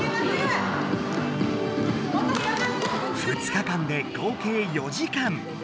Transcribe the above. ２日間で合計４時間！